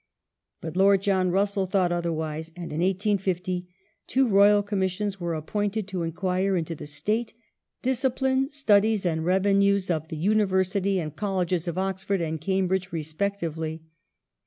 But Lord John Russell thought otherwise, Univer and in 1850 two Royal Commissions were appointed to enquire into ^^*y 9°"^' the state, discipline, studies, and revenues of the University and of 1850 Colleges of Oxford and Cambridge respectively.